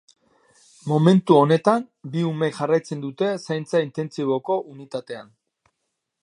Momentu honetan, bi umek jarraitzen dute zaintza intentsiboko unitatean.